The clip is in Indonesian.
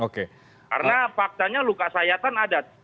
karena faktanya luka sayatan ada